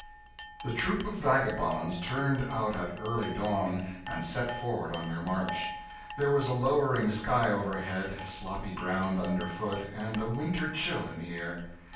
The troop of vagabonds turned out at early dawn, and set forward on their march. There was a lowering sky overhead, sloppy ground under foot, and a winter chill in the air.